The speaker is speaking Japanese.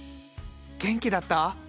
元気だった？